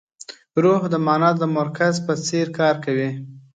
روح د مانا د مرکز په څېر کار کوي.